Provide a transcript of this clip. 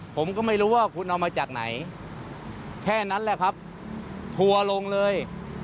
ผมก็ไม่รู้ว่าคุณเอามาจากไหนแค่นั้นแหละครับทัวร์ลงเลย